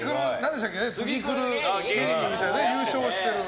次来る芸人みたいなので優勝してる。